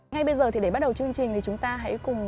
ngay bây giờ thì để bắt đầu chương trình thì chúng ta hãy cùng